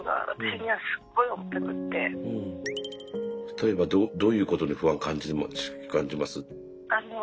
例えばどういうことに不安を感じます？